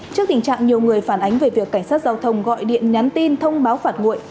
trước tình trạng nhiều người phản ánh về việc cảnh sát giao thông gọi điện nhắn tin thông báo phạt nguội